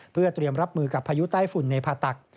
เพื่อเตรียมรับมือกับพายุใต้ฝุ่นในผ่าตัก